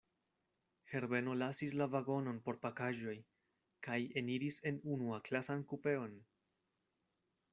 Herbeno lasis la vagonon por pakaĵoj, kaj eniris en unuaklasan kupeon.